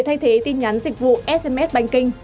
để thay thế tin nhắn dịch vụ sms banking